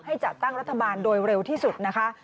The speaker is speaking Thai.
จัดตั้งรัฐบาลโดยเร็วที่สุดนะคะ